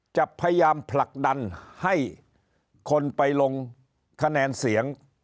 จะพยายามผลักดันให้คนไปลงคะแนนเสียง